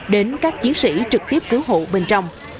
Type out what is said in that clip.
đến các chiến sĩ trực tiếp cứu hộ bên trong